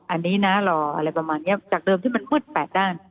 อันนี้นะรออะไรประมาณนี้จากเดิมที่มันมืดแปดด้าน